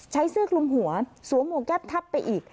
ใช้เสื้อกลุมหัวสวมหัวแก๊บทับไปอีก